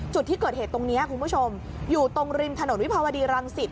จุดที่เกิดเหตุตรงนี้คุณผู้ชมอยู่ตรงริมถนนวิภาวดีรังสิต